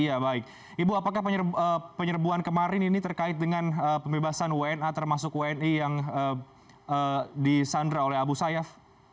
ya baik ibu apakah penyerbuan kemarin ini terkait dengan pembebasan wna termasuk wni yang disandra oleh abu sayyaf